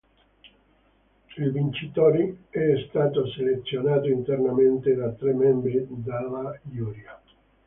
Il vincitore è stato selezionato internamente da tre membri della giuria.